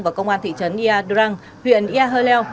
và công an thị trấn ea durang huyện ea hà leo